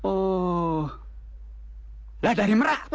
oh lah dari merah